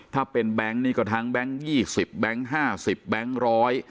ถ้าเป็นแบงค์นี่ก็ทั้งแบงค์๒๐แบงค์๕๐แบงค์ร้อย